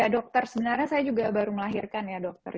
dokter sebenarnya saya juga baru melahirkan ya dokter